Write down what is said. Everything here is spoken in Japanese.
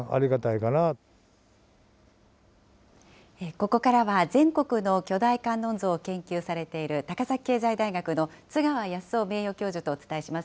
ここからは全国の巨大観音像を研究されている高崎経済大学の津川康雄名誉教授とお伝えします。